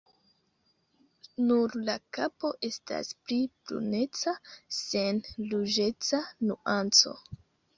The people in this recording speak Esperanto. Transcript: Nur la kapo estas pli bruneca sen ruĝeca nuanco.